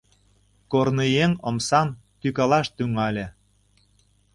Корныеҥ омсам тӱкалаш тӱҥале.